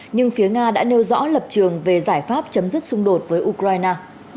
nhưng phía nga đã nêu rõ lập trường về giải pháp chấm dứt xung đột với ukraine